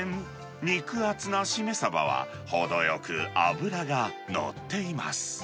肉厚なシメサバは、程よく脂が乗っています。